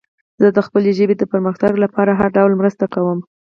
زه د خپلې ژبې د پرمختګ لپاره هر ډول مرسته کوم.